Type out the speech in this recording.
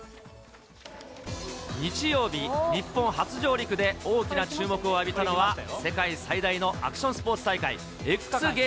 日曜日、日本初上陸で大きな注目を浴びたのは、世界最大のアクションスポーツ大会、ＸＧａｍｅｓ。